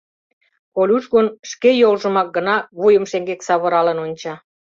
Колюш гын, шке йолжымак гына вуйым шеҥгек савыралын онча.